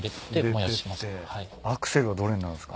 アクセルはどれになるんすか？